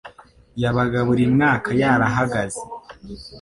yabaga buri mwaka yarahagaze